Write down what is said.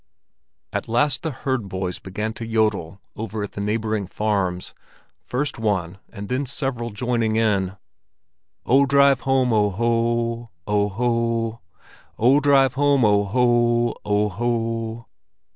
At last the herd boys began to jodel over at the neighboring farms, first one, and then several joining in: "Oh, drive home, o ho, o o ho! O ho, o ho! O ho, o ho! Oh, drive home, o o ho! O ho!"